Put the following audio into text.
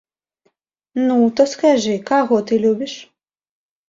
Ну, то скажы, каго ты любіш?